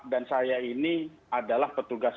dan saya ini adalah petugas